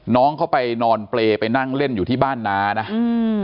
น้องเขาไปนอนเปรย์ไปนั่งเล่นอยู่ที่บ้านน้านะอืม